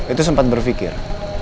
itu sempat berpikir